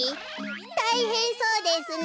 たいへんそうですね。